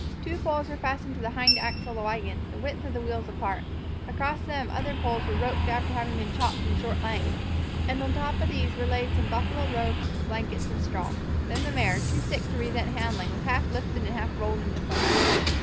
Two poles were fastened to the hind axle of the wagon, the width of the wheels apart; across them other poles were roped after having been chopped into short lengths; and on top of these were laid some buffalo robes, blankets, and straw. Then the mare, too sick to resent handling, was half lifted and half rolled into place.